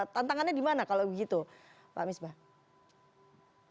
tantangannya di mana kalau begitu pak misbah